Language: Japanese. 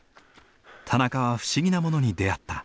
田中は不思議なものに出会った。